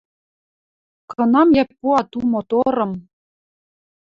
«Кынам йӓ пуат у моторым?